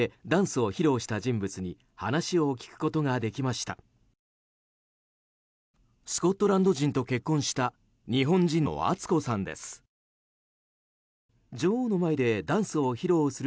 スコットランド人と結婚した日本人の篤子さんです。